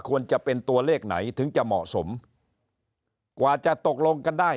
ควรจะเป็นตัวเลขไหนถึงจะเหมาะสมกว่าจะตกลงกันได้